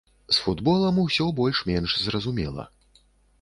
З футболам усё больш-менш зразумела.